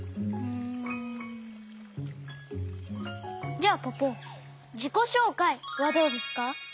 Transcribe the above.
じゃあポポじこしょうかいはどうですか？